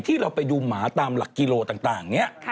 ที่เราไปดูหมาตามหลักกิโลต่างเนี่ย